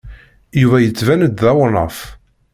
Yuba yettban-d d awnaf.